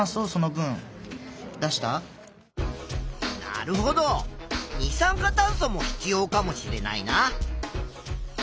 なるほど二酸化炭素も必要かもしれないな。